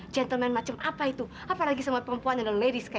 gentleman seperti apa itu apalagi dengan perempuan dan wanita seperti anda